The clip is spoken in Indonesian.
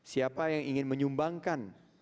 siapa yang ingin menyumbangkan